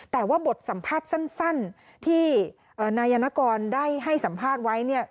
แต่ว่าบทสัมภาษณ์สั้นที่นายนกรได้ให้สัมภาษณ์ไว้เนี่ย